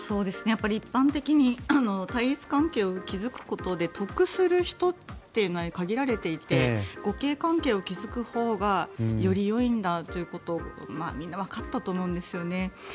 やっぱり一般的に対立関係を築くことで得する人というのは限られていて互恵関係を築くほうがよりよいんだということをみんなわかったと思うんですよね。